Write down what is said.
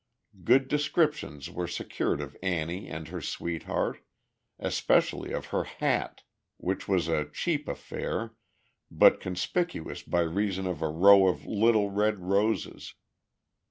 Good descriptions were secured of Annie and her sweetheart, especially of her hat, which was a cheap affair, but conspicuous by reason of a row of little red roses.